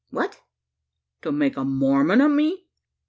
"What?" "To make a Mormon o' me."